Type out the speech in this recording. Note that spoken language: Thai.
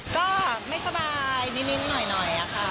ก็ไม่สบายนิดหน่อยค่ะ